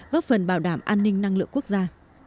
góp phần bảo đảm an ninh năng lượng quốc gia